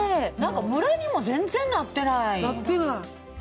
ムラにも全然なってない！